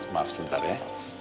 maaf sebentar ya